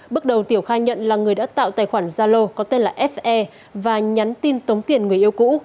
bước đầu tiểu khai nhận là người đã tạo tài khoản zalo có tên là fe và nhắn tin tống tiền người yêu cũ